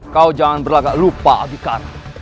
kau jangan berlagak lupa abikan